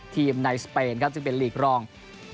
ทีมในสเปนครับซึ่งเป็นลีกรอง